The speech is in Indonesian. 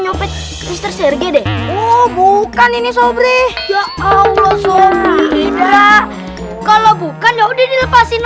nyopet mister sergei deh oh bukan ini sobre ya allah sobi tidak kalau bukan ya udah dilepasin